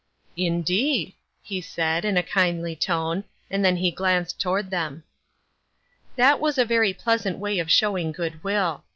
" Indeed !" he said, in kindly tone, and then he glanced toward them. That was a very pleasant way of showing good will.